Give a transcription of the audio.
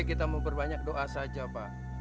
kita mau berbanyak doa saja pak